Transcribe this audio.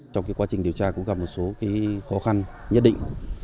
trong quá trình điều tra cũng gặp một số khó khăn nhất định